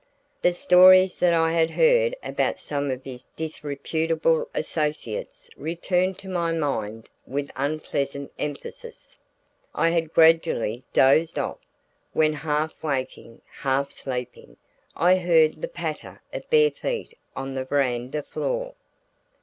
The stories that I had heard about some of his disreputable associates returned to my mind with unpleasant emphasis. I had gradually dozed off, when half waking, half sleeping, I heard the patter of bare feet on the veranda floor.